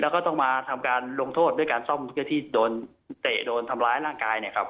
แล้วก็ต้องมาทำการลงโทษด้วยการซ่อมเพื่อที่โดนเตะโดนทำร้ายร่างกายเนี่ยครับ